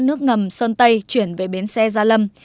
nước ngầm sơn tây chuyển về bến xe gia lâm